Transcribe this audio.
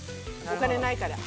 お金ないから。